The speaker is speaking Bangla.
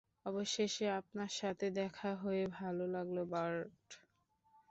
অবশেষে আপনার সাথে দেখা হয়ে ভাল লাগলো, বার্ট।